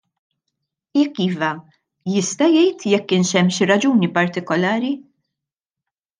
Jekk iva, jista' jgħid jekk kienx hemm xi raġuni partikolari?